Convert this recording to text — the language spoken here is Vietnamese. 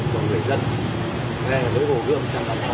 xin cảm ơn thầm chí